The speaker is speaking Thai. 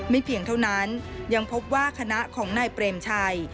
เพียงเท่านั้นยังพบว่าคณะของนายเปรมชัย